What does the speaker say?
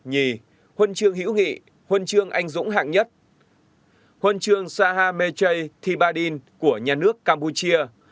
huân chương hữu nghị huân chương anh dũng hạng nhất huân chương saha meche thibadin của nhà nước campuchia